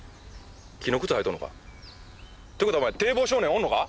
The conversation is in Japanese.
木の靴履いとんのか？という事はお前堤防少年おんのか？